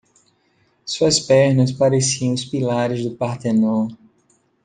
Suas pernas pareciam os pilares do Parthenon.